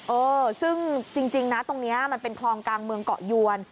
เออซึ่งจริงนะตรงนี้มันเป็นคลองกลางเมืองเกาะยวน